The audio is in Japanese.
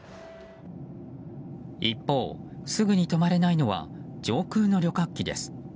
一方、すぐに止まれないのは上空の旅客機です。